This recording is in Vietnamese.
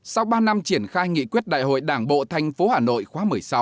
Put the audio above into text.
sau ba năm triển khai nghị quyết đại hội đảng bộ tp hà nội khóa một mươi sáu